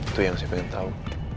itu yang saya pengen tahu